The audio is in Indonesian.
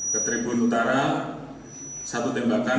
ke tribun utara satu tembakan